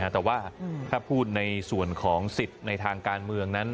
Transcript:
แต่ว่าถ้าพูดในส่วนของสิทธิ์ในทางการเมืองนั้น